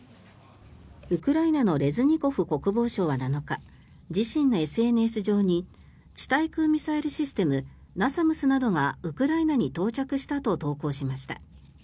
ウクライナのレズニコフ国防相は７日自身のＳＮＳ上に地対空ミサイルシステム・ＮＡＳＡＭＳなどがウクライナに到着したと投稿しました。